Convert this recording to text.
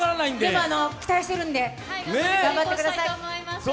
でも期待してるんで、頑張ってください。